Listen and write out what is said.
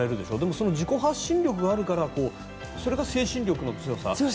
その自己発信力があるからそれが精神力の強さに。